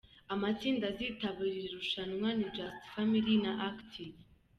Amatsinda azitabira iri rushanwa ni Just Family na Active.